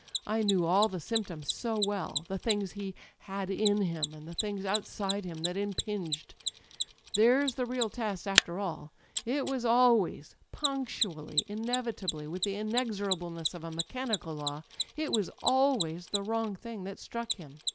I knew all the sjonptoms so well â€" the things he "^had 'in him,' and the things outside him that impinged} There's the real test, after all. It was always â€" ^punctu^Uy, inevita bly, with the inexorableness of a mechaiaical law â€" it was always the wrong thing that struck Hiim.